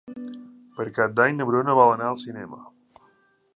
Per Cap d'Any na Bruna vol anar al cinema.